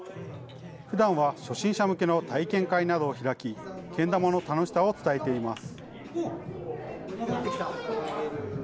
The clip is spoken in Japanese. ふだんは初心者向けの体験会などを開き、けん玉の楽しさを伝えています。